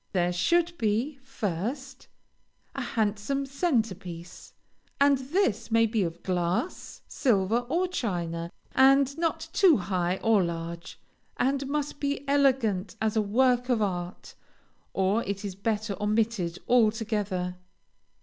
There should be, first, a handsome centre piece, and this may be of glass, silver, or china, and not too high or large, and must be elegant as a work of art, or it is better omitted altogether.